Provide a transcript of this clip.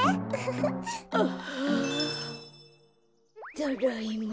ただいま。